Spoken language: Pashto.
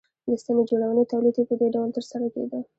د ستنې جوړونې تولید یې په دې ډول ترسره کېده